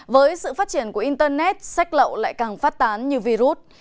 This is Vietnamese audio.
với sự phát triển của internet sách lậu lại càng phát tán như virus